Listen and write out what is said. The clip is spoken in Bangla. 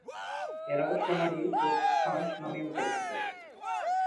এরা সোনালি চোখ হাঁস নামেও পরিচিত।